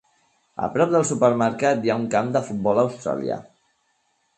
A prop del supermercat hi ha un camp de futbol australià.